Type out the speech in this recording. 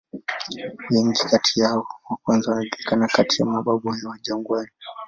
Wengi kati ya hao wa kwanza wanajulikana kati ya "mababu wa jangwani".